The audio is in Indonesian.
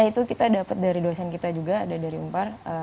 itu kita dapat dari dosen kita juga ada dari umpar